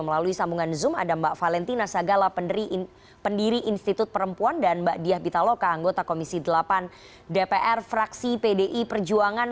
melalui sambungan zoom ada mbak valentina sagala pendiri institut perempuan dan mbak diah bitaloka anggota komisi delapan dpr fraksi pdi perjuangan